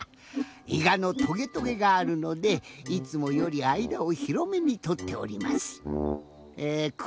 いがのトゲトゲがあるのでいつもよりあいだをひろめにとっております。